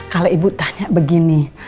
kalau ibu tanya begini